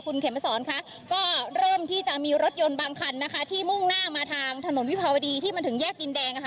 คุณเขมสอนค่ะก็เริ่มที่จะมีรถยนต์บางคันนะคะที่มุ่งหน้ามาทางถนนวิภาวดีที่มันถึงแยกดินแดงนะคะ